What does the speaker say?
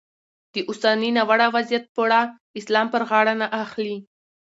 د اوسني ناوړه وضیعت پړه اسلام پر غاړه نه اخلي.